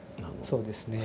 そうですね。